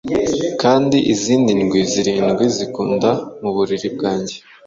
Kandi izindi ndwi zirindwi zikunda muburiri bwanjye